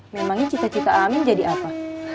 memangnya cita cita amin jadi apa